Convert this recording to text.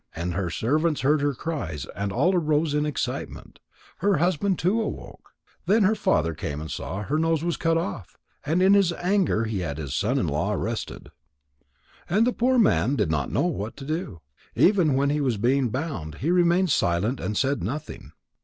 And her servants heard her cries and all arose in excitement. Her husband too awoke. Then her father came and saw that her nose was cut off, and in his anger he had his son in law arrested. And the poor man did not know what to do. Even when he was being bound, he remained silent and said nothing.